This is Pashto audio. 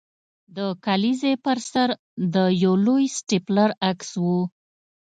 د کلیزې پر سر د یو لوی سټیپلر عکس و